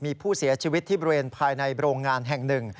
มีผู้เสียชีวิตที่บริเวณภายในโรงงานแห่งหนึ่ง